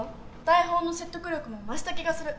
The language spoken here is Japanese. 台本の説得力も増した気がする。